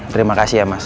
terima kasih ya mas